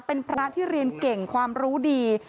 เป็นพระที่เรียนเก่งความรู้ดี